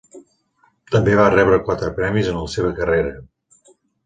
També va rebre quatre premis en la seva carrera.